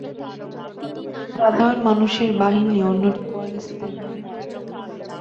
একটি সাধারণ মানুষদের বাহিনী অন্যটি কোয়ালিস্টদের বাহিনী।